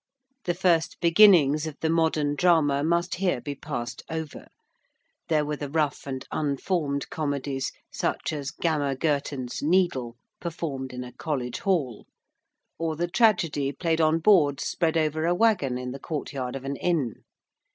The first beginnings of the modern Drama must here be passed over: there were the rough and unformed comedies such as 'Gammer Gurton's Needle,' performed in a college hall: or the tragedy played on boards spread over a waggon in the courtyard of an inn.